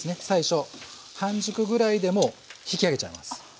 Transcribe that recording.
最初半熟ぐらいでもう引き上げちゃいます。